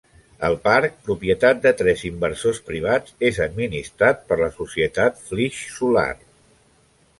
El parc, propietat de tres inversors privats, és administrat per la societat Flix Solar.